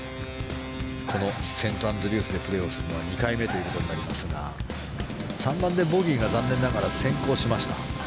このセントアンドリュースでプレーをするのは２回目となりますが３番でボギーが残念ながら先行しました。